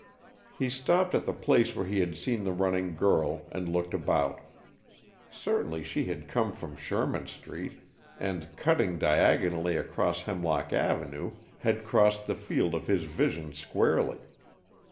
He stopped at the place where he had seen the running girl, and looked about. Certainly she had come from Sherman Street, and, cutting diagonally across Hemlock Avenue, had crossed the field of his vision squarely.